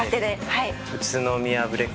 はい。